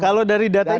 kalau dari data ini kan